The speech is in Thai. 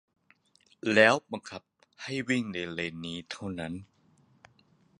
แล้วบังคับให้วิ่งในเลนนี้เท่านั้น